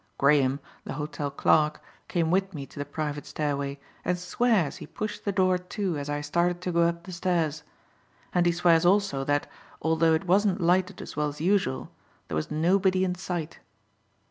Graham, the hotel clerk, came with me to the private stairway and swears he pushed the door to as I started to go up the stairs. And he swears also that, although it wasn't lighted as well as usual, there was nobody in sight.